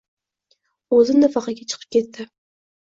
O’zi nafaqaga chiqib ketdi.